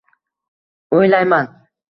O’ylayman